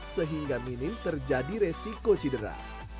sehingga minim terjadi resiko cedera